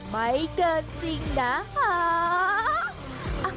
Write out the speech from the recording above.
ไม่เกินจริงนะคะ